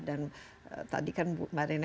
dan tadi kan mbak dena